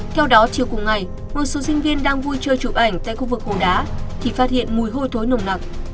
theo đó chiều cùng ngày một số sinh viên đang vui chơi chụp ảnh tại khu vực hồ đá thì phát hiện mùi hôi thối nồng nặc